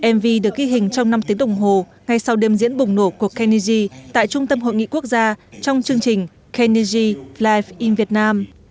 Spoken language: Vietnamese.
mv được ghi hình trong năm tiếng đồng hồ ngay sau đêm diễn bùng nổ của kennedy tại trung tâm hội nghị quốc gia trong chương trình kennedy life in việt nam